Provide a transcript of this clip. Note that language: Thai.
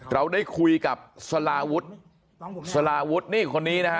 เราได้คุยกับสลาวุฒิสลาวุฒินี่คนนี้นะฮะ